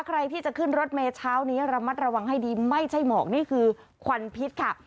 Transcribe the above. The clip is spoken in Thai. ใครที่จะขึ้นรถเมย์เช้านี้ระมัดระวังให้ดีไม่ใช่หมอกนี่คือควันพิษค่ะ